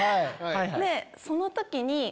その時に。